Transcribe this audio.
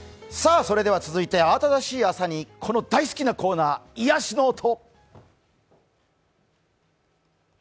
続いて慌ただしい朝に大好きなコーナー、癒やしの音。